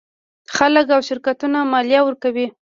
خلک او شرکتونه مالیه ورکوي.